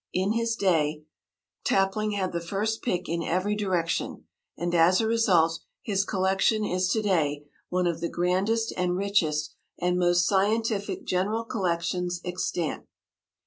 In his day Tapling had the first pick in every direction, and, as a result, his collection is to day one of the grandest and richest and most scientific general collections extant.